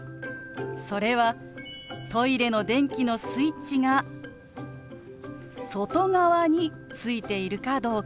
それはトイレの電気のスイッチが外側についているかどうか。